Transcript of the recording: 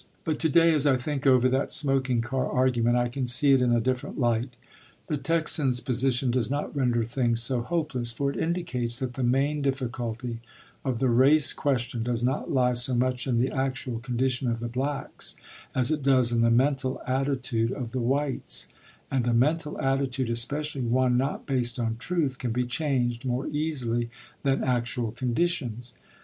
But to day, as I think over that smoking car argument, I can see it in a different light. The Texan's position does not render things so hopeless, for it indicates that the main difficulty of the race question does not lie so much in the actual condition of the blacks as it does in the mental attitude of the whites; and a mental attitude, especially one not based on truth, can be changed more easily than actual conditions.